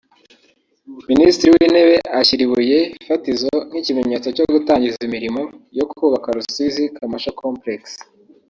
Minisitiri w’Intebe ashyira ibuye fatizo nk’ikimenyetso cyo gutangiza imirimo yo kubaka Rusizi commercial complex